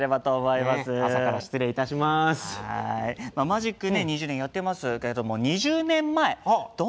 マジックね２０年やってますけれども２０年前どんな感じだったのか。